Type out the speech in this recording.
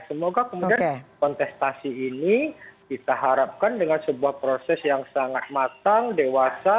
semoga kemudian kontestasi ini kita harapkan dengan sebuah proses yang sangat matang dewasa